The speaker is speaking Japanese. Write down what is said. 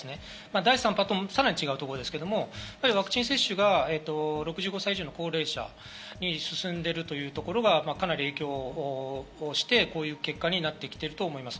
第３波ともさらに違うところですけど、ワクチン接種が６５歳以上の高齢者に進んでいるというところがかなり影響して、こういう結果になってきていると思います。